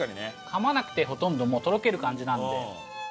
かまなくてほとんどもうとろける感じなので。